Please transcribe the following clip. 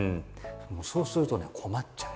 そうするとね困っちゃう。